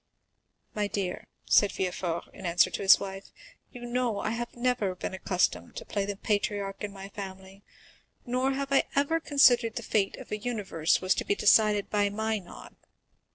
"My dear," said Villefort, in answer to his wife, "you know I have never been accustomed to play the patriarch in my family, nor have I ever considered that the fate of a universe was to be decided by my nod.